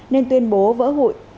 nên tuyên bố vỡ hụi